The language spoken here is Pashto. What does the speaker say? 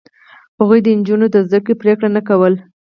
هغوی د نجونو د زده کړو پرېکړه نه کوله.